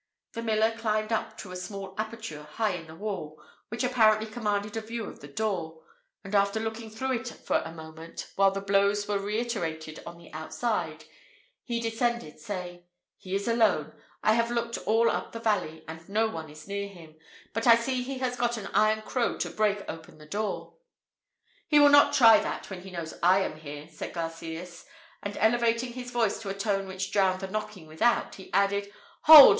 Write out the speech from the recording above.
The miller climbed up to a small aperture high in the wall, which apparently commanded a view of the door; and after looking through it for a moment, while the blows were reiterated on the outside, he descended, saying, "He is alone: I have looked all up the valley, and no one is near him; but I see he has got an iron crow to break open the door." "He will not try that when he knows I am here," said Garcias; and elevating his voice to a tone that drowned the knocking without, he added, "Hold!